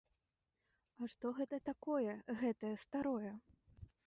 А што гэта такое гэтае старое?